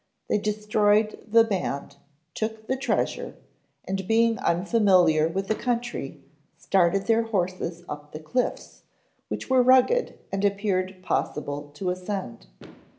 They destroyed the band, took the treasure, and being unfamiliar with the country, started their horses up the cliffs, which were rugged and appeared possible to ascend.